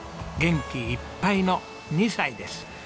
元気いっぱいの２歳です。